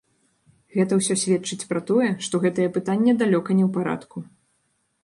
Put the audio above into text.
Гэта ўсё сведчыць пра тое, што гэтае пытанне далёка не ў парадку.